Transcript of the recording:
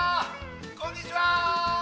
こんにちはー！